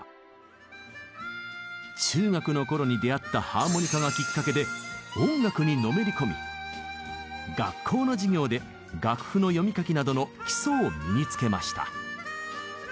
中学のころに出会ったハーモニカがきっかけで音楽にのめり込み学校の授業で楽譜の読み書きなどの基礎を身につけました。